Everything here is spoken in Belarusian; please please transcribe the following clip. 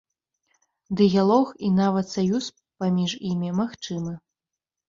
Дыялог і нават саюз паміж імі магчымы.